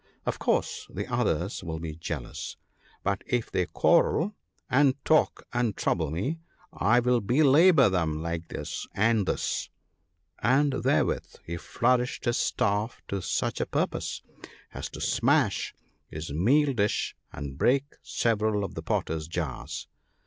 Of course the others will be jealous ; but if they quarrel, and talk, and trouble me I will belabour them like this — and this "—and therewith he flourished his staff to such a purpose as to smash his meal dish and break several of the potters jars.